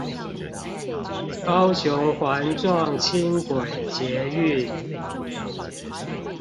高雄環狀輕軌捷運